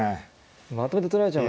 まとめて取られちゃう。